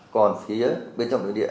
còn phía bên trong địa điện